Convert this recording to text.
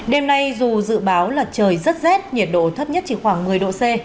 đêm nay dù dự báo là trời rất rét nhiệt độ thấp nhất chỉ khoảng một mươi độ c